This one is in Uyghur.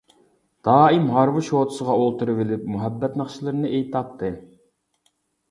دائىم ھارۋا شوتىسىغا ئولتۇرۇۋېلىپ مۇھەببەت ناخشىلىرىنى ئېيتاتتى.